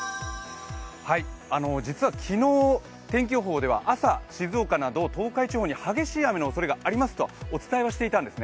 実は昨日、天気予報では静岡など東海地方に激しい雨のおそれがありますとお伝えはしていたんです。